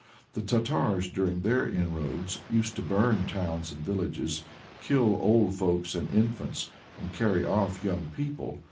The Tartars, during their inroads, used to burn towns and villages, kill old folks and infants, and carry off young people.